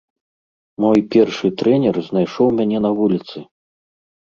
Мой першы трэнер знайшоў мяне на вуліцы.